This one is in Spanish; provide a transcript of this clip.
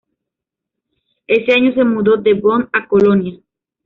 Ese año se mudó de Bonn a Colonia.